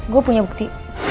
gue punya bukti